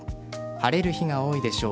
晴れる日が多いでしょう。